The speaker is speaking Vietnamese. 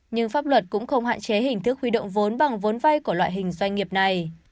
nhưng pháp luật cũng không hạn chế hình thức huy động vốn bằng vốn vay của loại hình doanh nghiệp này